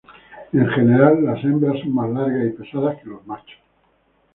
En general, las hembras son más largas y pesadas que los machos.